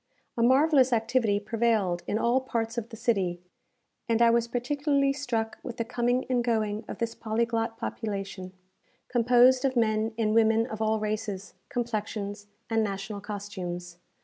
A marvellous activity prevailed in all parts of the city; and I was particularly struck with the coming and going of this polyglot population, composed of men and women of all races, complexions, and national costumes.